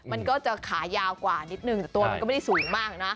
มันก็จะขายาวกว่าริดนึงก็ไม่สูงมาก